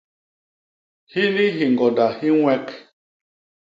Hini hiñgonda hi ññwek.